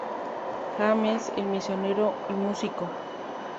James, el misionero y músico.